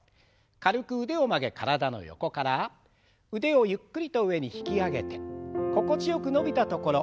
軽く腕を曲げ体の横から腕をゆっくりと上に引き上げて心地よく伸びたところ。